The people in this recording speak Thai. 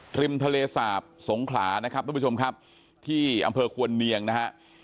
ริมทะเลสาบสงขลานะครับทุกผู้ชมครับที่อำเภอควรเนียงนะฮะ